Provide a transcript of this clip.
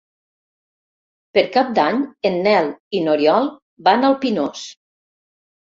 Per Cap d'Any en Nel i n'Oriol van al Pinós.